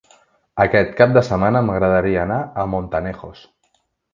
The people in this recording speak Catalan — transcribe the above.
Aquest cap de setmana m'agradaria anar a Montanejos.